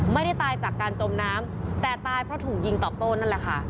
ไม่ได้ตายจากการจมน้ำแต่ตายเพราะถูกยิงตอบโต้นั่นแหละค่ะ